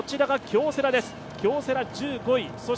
京セラ、１５位。